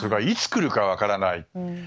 いつ来るか分からない。